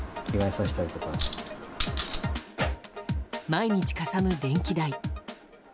毎日かさむ電気代。